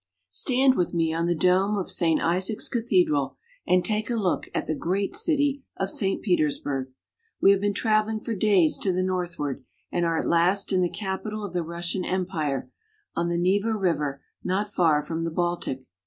STAND with me on the dome of Saint Isaac's cathe dral, and take a look at the great city of St. Peters burg. We have been traveling for days to the northward, and are at last in the capital of the Russian Empire, on the Neva River ? not far from the Baltic.